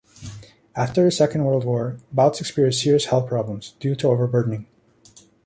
After the Second World War, Bouts experienced serious health problems, due to overburdening.